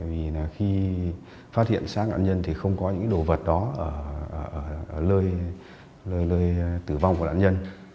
vì khi phát hiện sát nạn nhân thì không có những đồ vật đó ở lơi lời tử vong của nạn nhân